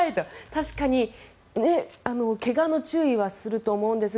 確かに、怪我の注意はすると思うんですが。